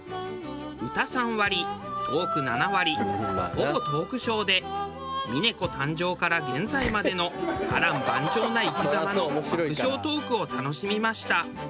歌３割トーク７割ほぼトークショーで峰子誕生から現在までの波瀾万丈な生き様の爆笑トークを楽しみました。